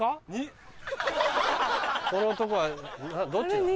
この男はどっちなの？